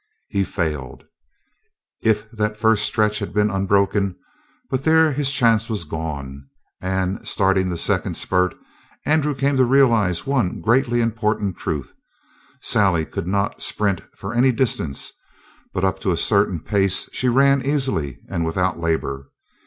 He failed. If that first stretch had been unbroken but there his chance was gone, and, starting the second spurt, Andrew came to realize one greatly important truth Sally could not sprint for any distance, but up to a certain pace she ran easily and without labor.